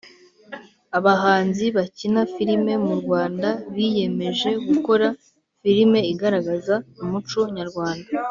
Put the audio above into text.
abahanzi bakina filime mu rwanda biyemeje gukora filime igaragaza umuco nyarwanda.